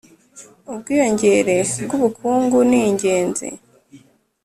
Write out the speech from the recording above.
ubwiyongere bw'ubukungu ni ingenzi